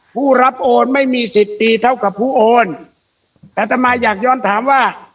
ผู้รับโอนไม่มีสิบปีเท่ากับผู้โอนอัตมาอยากย้อนถามว่า